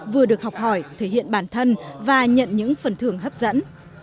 vừa được học hỏi thể hiện bản thân và nhận những phần thưởng hấp dẫn